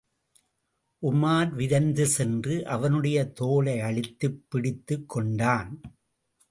உமார் விரைந்து சென்று, அவனுடைய தோளையழுத்திப் பிடித்துக் கொண்டான்.